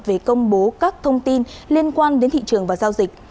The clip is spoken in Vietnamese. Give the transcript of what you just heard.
về công bố các thông tin liên quan đến thị trường và giao dịch